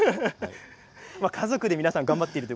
家族で皆さん頑張っています。